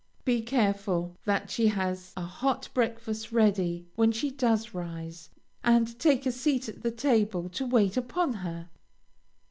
Be careful that she has a hot breakfast ready when she does rise, and take a seat at the table to wait upon her.